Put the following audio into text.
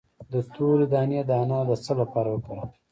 د تورې دانې دانه د څه لپاره وکاروم؟